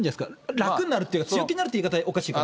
楽になるっていうか、強気になるっていう言い方、おかしいかな？